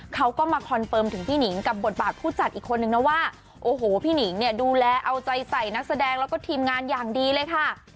เขาก็มาคอนเฟิร์มถึงพี่หนิงกับบทบาทผู้จัดอีกคนนึงนะว่าโอ้โหพี่หนิงเนี่ยดูแลเอาใจใส่นักแสดงแล้วก็ทีมงานอย่างดีเลยค่ะ